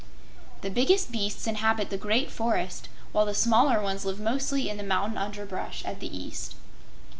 The biggest beasts inhabit the great forest, while the smaller ones live mostly in the mountain underbrush at the east.